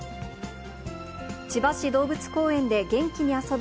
千葉市動物公園で元気に遊ぶ